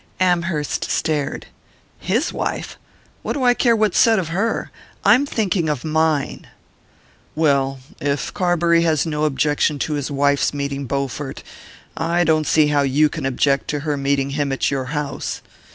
Amherst stared. "His wife? What do I care what's said of her? I'm thinking of mine!" "Well, if Carbury has no objection to his wife's meeting Bowfort, I don't see how you can object to her meeting him at your house.